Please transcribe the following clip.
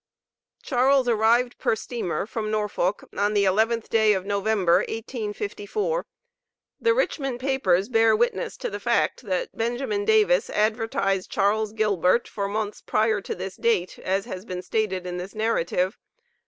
Charles arrived per steamer, from Norfolk, on the 11th day of November, 1854. The Richmond papers bear witness to the fact, that Benjamin Davis advertised Charles Gilbert, for mouths prior to this date, as has been stated in this narrative.